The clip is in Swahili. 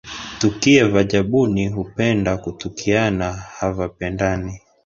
"Tukia, vabajuni hupenda kutukiana havapendani."